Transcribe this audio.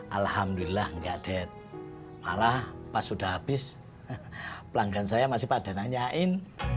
alhamdulillah enggak dad malah pas udah habis pelanggan saya masih pada nanyain